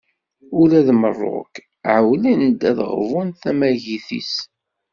Ula d Meṛṛuk ɛewwlen-d ad ɣbun tamagit-is.